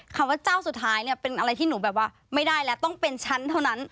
คำว่าเจ้าสุดท้ายเนี่ยเป็นอะไรที่หนูแบบว่าไม่ได้แล้วต้องเป็นฉันเท่านั้น